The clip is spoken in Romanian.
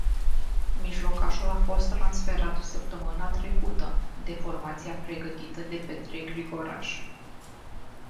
Mijlocașul a fost transferat săptămâna trecută, de formația pregătită de Petre Grigoraș.